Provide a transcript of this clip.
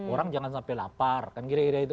orang jangan sampai lapar kan kira kira itu